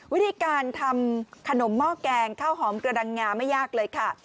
วิธีการทำขนมหม้อแกงข้าวหอมกระดังงาไม่ยากเลยค่ะ